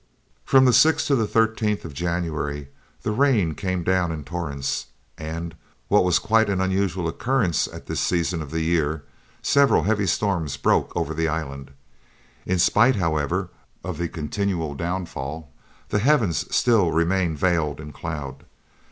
From the 6th to the 13th of January the rain came down in torrents; and, what was quite an unusual occurrence at this season of the year, several heavy storms broke over the island. In spite, however, of the continual downfall, the heavens still remained veiled in cloud.